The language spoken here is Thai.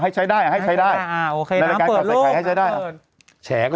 ให้ใช้ได้อ่าให้ใช้ได้อ่าโอเคน้ำเปิดโลกให้ใช้ได้แชงเฉก็